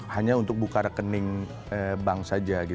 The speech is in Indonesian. hanya untuk buka rekening bank saja